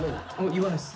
言わないです。